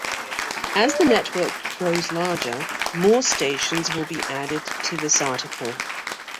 As the network grows larger, more stations will be added to this article.